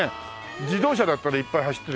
自動車だったらいっぱい走ってるけどね